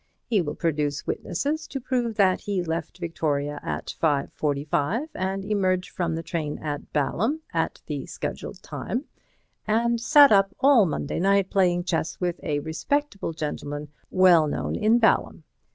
He will produce witnesses to prove that he left Victoria at 5:45 and emerged from the train at Balham at the scheduled time, and sat up all Monday night playing chess with a respectable gentleman well known in Balham.